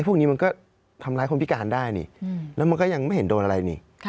พวกนี้มันก็ทำร้ายคนพิการได้นี่แล้วมันก็ยังไม่เห็นโดนอะไรนี่